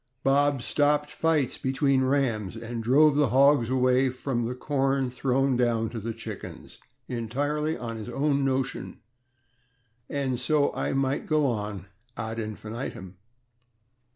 Bob stopped fights between rams, and drove the hogs away from the corn thrown down to the chickens, entirely on his own notion, and so I might go on ad infinitum.